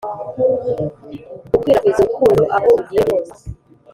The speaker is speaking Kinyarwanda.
gukwirakwiza urukundo aho ugiye hose.